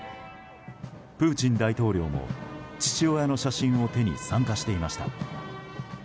プーチン大統領も父親の写真を手に、参加していました。